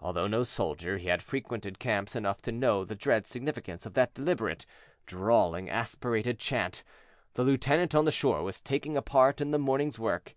Although no soldier, he had frequented camps enough to know the dread significance of that deliberate, drawling, aspirated chant; the lieutenant on shore was taking a part in the morning's work.